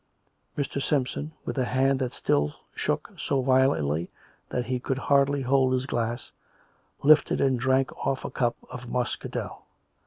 Mr. Simpson, with a hand that still shook so violently that he could hardly hold his glass, lifted and drank off a cup of muscadel.